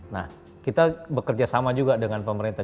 nah kita bekerja sama juga dengan pemerintah